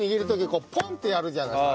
こうポンってやるじゃないですか。